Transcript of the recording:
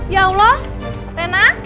ya allah rena